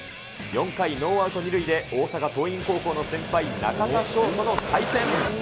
４回ノーアウト２塁で、大阪桐蔭高校の先輩、中田翔との対戦。